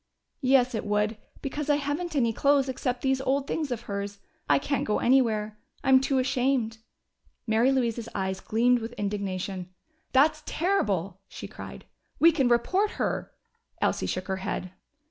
"Yes, it would, because I haven't any clothes except these old things of hers. I can't go anywhere I'm too ashamed." Mary Louise's eyes gleamed with indignation. "That's terrible!" she cried. "We can report her " Elsie shook her head.